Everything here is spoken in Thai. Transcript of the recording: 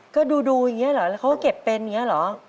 ก็ดูอย่างนี้เหรอแล้วเขาก็เก็บเป็นอย่างนี้เหรอ